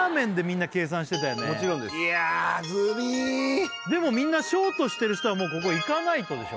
もちろんですでもみんなショートしてる人はもうここいかないとでしょ